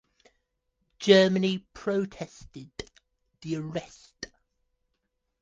Germany protested the arrest.